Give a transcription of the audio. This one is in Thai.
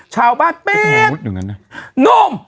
ชาวบ้านเปี๊บนุ่ม